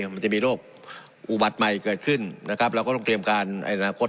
มันจะมีโรคอุบัติใหม่เกิดขึ้นนะครับเราก็ต้องเตรียมการในอนาคต